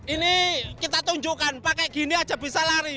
ini kita tunjukkan pakai gini aja bisa lari